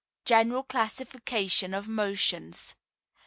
General Classification of Motions.